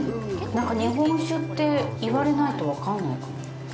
なんか、日本酒って言われないと分からないかも。